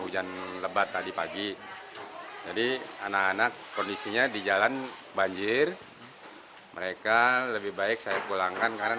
hujan lebat tadi pagi jadi anak anak kondisinya di jalan banjir mereka lebih baik saya pulangkan karena